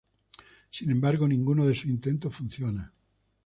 Sin embargo, ninguno de sus intentos funciona.